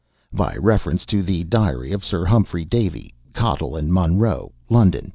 By reference to the 'Diary of Sir Humphrey Davy' (Cottle and Munroe, London, pp.